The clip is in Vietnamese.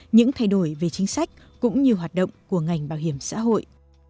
những thay đổi về chính sách cũng như hoạt động của ngành bảo hiểm xã hội